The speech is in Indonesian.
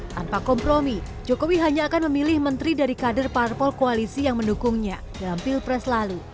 tanpa kompromi jokowi hanya akan memilih menteri dari kader parpol koalisi yang mendukungnya dalam pilpres lalu